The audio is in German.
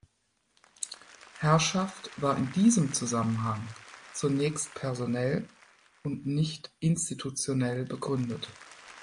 Herrschaft war in diesem Zusammenhang zunächst personell und nicht institutionell begründet.